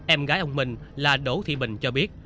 em gái ông minh là đỗ thị bình cho biết